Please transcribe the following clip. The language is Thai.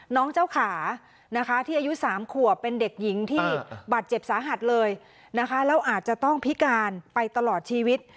น้องเจ้าขานะคะที่อายุ๓ขวบเป็นเด็กหญิงที่บาดเจ็บสาหัสเลยนะคะแล้วอาจจะต้องพิการไปตลอดชีวิต